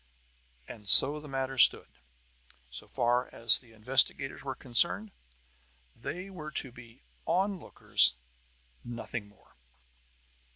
And so the matter stood, so far as the investigators were concerned. They were to be lookers on, nothing more.